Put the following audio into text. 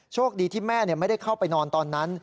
โชคดีที่แม่ไม่ได้เข้าไปนอนตอนนั้น